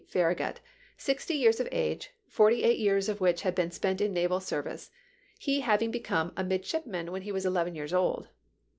Far ragut, sixty years of age, forty eight years of which had been spent in naval service, he having become a midshipman when he was eleven years old.